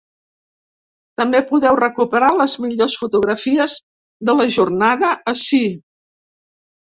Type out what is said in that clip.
També podeu recuperar les millors fotografies de la jornada ací.